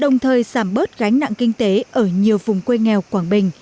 nơi giảm bớt gánh nặng kinh tế ở nhiều vùng quê nghèo quảng bình